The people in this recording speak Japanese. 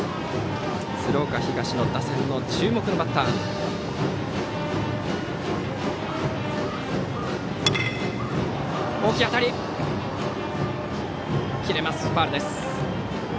鶴岡東の打線の注目のバッター土屋です。